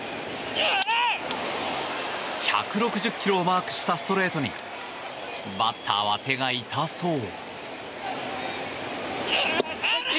１６０キロをマークしたストレートにバッターは手が痛そう。